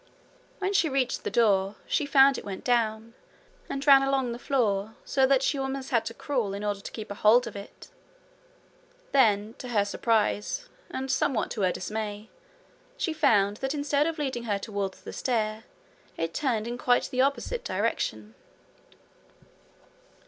When she reached the door she found it went down and ran along the floor, so that she had almost to crawl in order to keep a hold of it. Then, to her surprise, and somewhat to her dismay, she found that instead of leading her towards the stair it turned in quite the opposite direction.